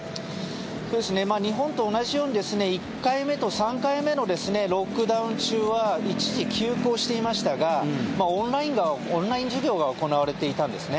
日本と同じように１回目と３回目のロックダウン中は一時、休校していましたがオンライン授業が行われていたんですね。